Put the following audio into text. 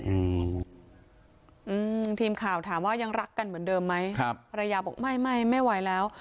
อืมอืมทีมข่าวถามว่ายังรักกันเหมือนเดิมไหมครับภรรยาบอกไม่ไม่ไม่ไหวแล้ว